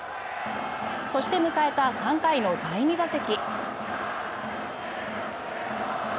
そして迎えた３回の第２打席。